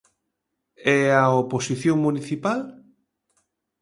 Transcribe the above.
E a oposición municipal?